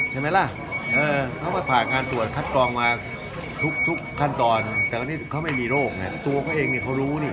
ใช่ไหมล่ะเขาก็ผ่านงานตรวจคัดกรองมาทุกขั้นตอนแต่วันนี้เขาไม่มีโรคไงตัวเขาเองเนี่ยเขารู้นี่